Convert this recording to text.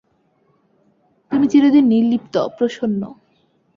তুমি চিরদিন নির্লিপ্ত, প্রসন্ন।